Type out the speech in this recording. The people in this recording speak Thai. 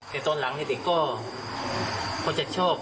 แต่ตอนหลังเด็กก็จะชอบ